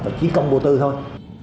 và chỉ công vô tư thôi